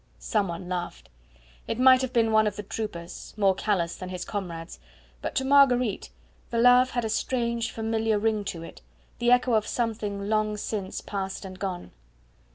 Some one laughed. It might have been one of the troopers, more callous than his comrades, but to Marguerite the laugh had a strange, familiar ring in it, the echo of something long since past and gone.